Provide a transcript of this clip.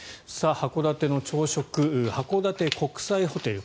函館の朝食、函館国際ホテル。